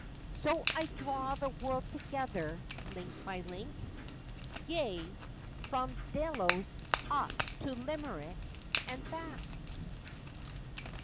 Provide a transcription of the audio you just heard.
] So I draw the world together link by link: Yea, from Delos up to Limerick and back!